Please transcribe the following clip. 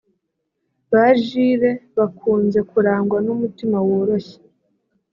Ba Gilles bakunze kurangwa n’umutima woroshye